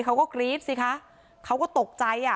เขาก็กรี๊ดสิคะเขาก็ตกใจอ่ะ